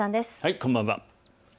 こんばんは。